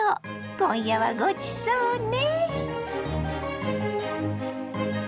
今夜はごちそうね。